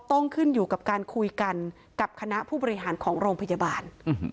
ต้องขึ้นอยู่กับการคุยกันกับคณะผู้บริหารของโรงพยาบาล